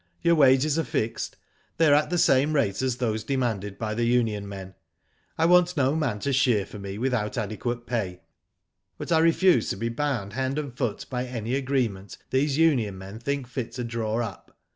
Your wages are fixed. They are at th^ same rate as those demanded by the union men. I want no man to shear for me without adequate pay. But 1 refuse to be bound hand and foot by any agree ment these union men think fit to draw up.